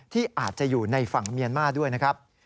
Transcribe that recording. ที่อาจจะอยู่ในฝั่งเมียนมาร์ด้วยนะครับ